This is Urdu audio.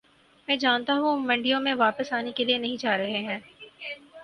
میں جانتا ہوں وہ منڈیوں میں واپس آنے کے لیے نہیں جا رہے ہیں